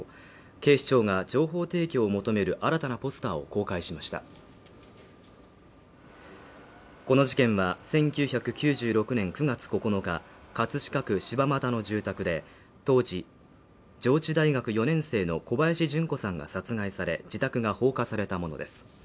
警視庁が情報提供を求める新たなポスターを公開しましたこの事件は１９９６年９月９日葛飾区柴又の住宅で当時上智大学４年生の小林順子さんが殺害され自宅が放火されたものです